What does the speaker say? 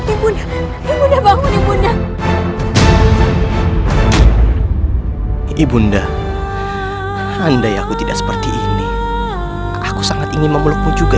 ibunya ibunya bangun ibunya ibunya andai aku tidak seperti ini aku sangat ingin memelukmu juga